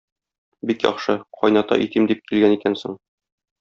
Бик яхшы, кайната итим дип килгән икәнсең.